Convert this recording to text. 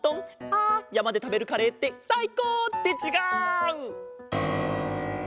あやまでたべるカレーってさいこう！ってちがう！